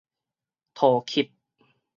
塗吸